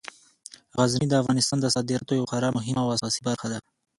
غزني د افغانستان د صادراتو یوه خورا مهمه او اساسي برخه ده.